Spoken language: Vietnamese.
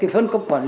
phân cấp quản lý